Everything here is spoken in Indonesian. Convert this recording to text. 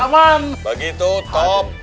aman begitu top